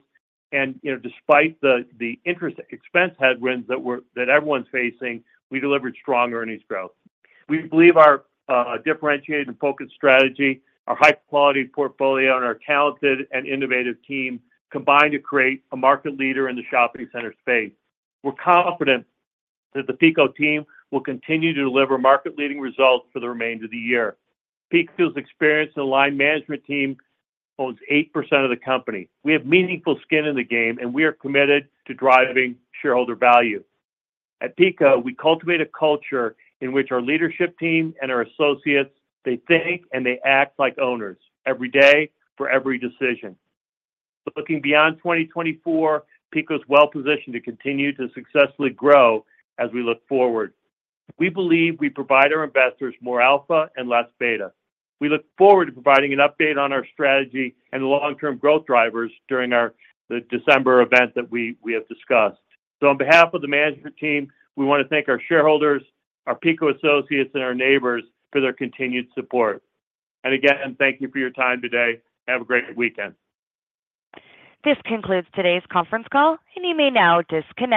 and despite the interest expense headwinds that everyone's facing, we delivered strong earnings growth. We believe our differentiated and focused strategy, our high-quality portfolio, and our talented and innovative team combined to create a market leader in the shopping center space. We're confident that the PECO team will continue to deliver market-leading results for the remainder of the year. PECO's experienced and aligned management team owns 8% of the company. We have meaningful skin in the game, and we are committed to driving shareholder value. At PECO, we cultivate a culture in which our leadership team and our associates, they think and they act like owners every day for every decision. Looking beyond 2024, PECO is well positioned to continue to successfully grow as we look forward. We believe we provide our investors more alpha and less beta. We look forward to providing an update on our strategy and long-term growth drivers during the December event that we have discussed. On behalf of the management team, we want to thank our shareholders, our PECO associates, and our neighbors for their continued support. Again, thank you for your time today. Have a great weekend. This concludes Today's Conference Call, and you may now disconnect.